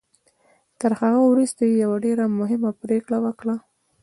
تر هغه وروسته يې يوه ډېره مهمه پريکړه وکړه.